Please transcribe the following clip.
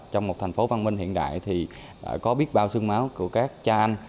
trong một thành phố văn minh hiện đại thì có biết bao sương máu của các cha anh